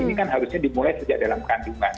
ini kan harusnya dimulai sejak dalam kandungan